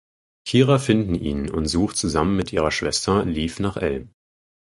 Kira finden ihn und sucht zusammen mit ihrer Schwester Liv nach El.